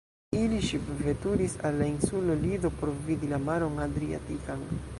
Ili ŝipveturis al la insulo Lido por vidi la maron Adriatikan.